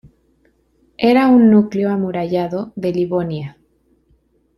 Era un núcleo amurallado de Livonia.